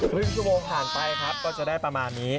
ครึ่งชั่วโมงผ่านไปครับก็จะได้ประมาณนี้